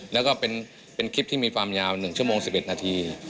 แล้วก็เป็นคลิปที่มีความยาว๑ชั่วโมง๑๑นาที